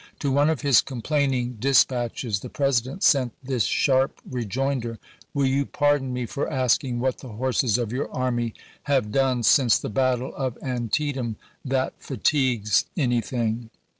To one of his complaining dis patches the President sent this sharp rejoinder :" "Will you pardon me for asking what the horses of your army have done since the battle of Antie voi. xix., Part II. tam that fatigues anything?